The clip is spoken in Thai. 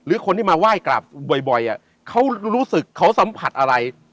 คนที่มาไหว้กลับบ่อยเขารู้สึกเขาสัมผัสอะไร